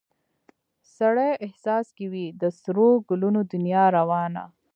سړي احساس کې وي د سرو ګلو دنیا روانه